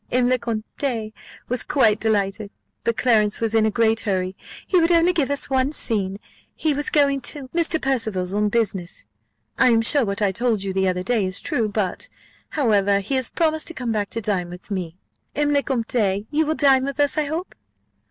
M. le Comte was quite delighted; but Clarence was in a great hurry, he would only give us one scene, he was going to Mr. Percival's on business. I am sure what I told you the other day is true: but, however, he has promised to come back to dine with me M. le Comte, you will dine with us, I hope?"